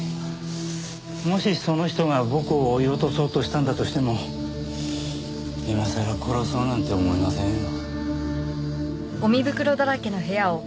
もしその人が僕を追い落とそうとしたんだとしても今さら殺そうなんて思いませんよ。